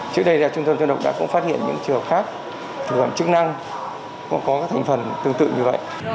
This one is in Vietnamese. trước đây là trung tâm thương độc đã cũng phát hiện những trường hợp khác trường hợp chức năng có các thành phần tương tự như vậy